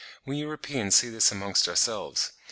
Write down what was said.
We Europeans see this amongst ourselves.